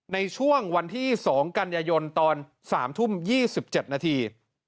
ในช่วงวันที่๒กันยายนตอน๓ทุ่ม๒๗นาที